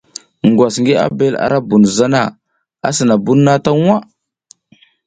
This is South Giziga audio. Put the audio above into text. Ngwas ngi abel ara bun zana, a sina na bun na ta waʼa.